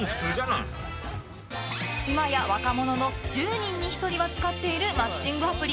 いまや若者の１０人に１人は使っているマッチングアプリ。